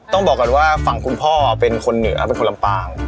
ต้องบอกก่อนว่าฝั่งคุณพ่อเป็นคนเหนือเป็นคนลำปาง